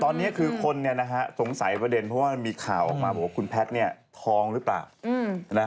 ตอนนี้คือคนสงสัยประเด็นเพราะว่ามันมีข่าวออกมาบอกว่าคุณแพทย์ทองหรือเปล่า